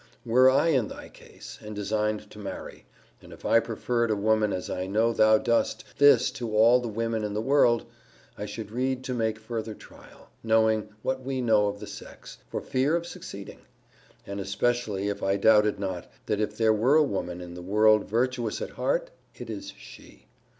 Were I in thy case, and designed to marry, and if I preferred a woman as I know thou dost this to all the women in the world, I should read to make further trial, knowing what we know of the sex, for fear of succeeding; and especially if I doubted not, that if there were a woman in the world virtuous at heart, it is she.